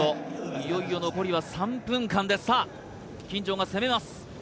いよいよ残りは３分間ですさあ金城が攻めます